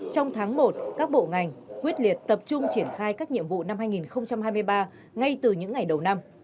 trong tháng một các bộ ngành quyết liệt tập trung triển khai các nhiệm vụ năm hai nghìn hai mươi ba ngay từ những ngày đầu năm